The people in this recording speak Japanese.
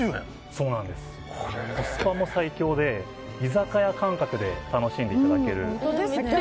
そうなんです、コスパも最強で居酒屋感覚で楽しんでいただける。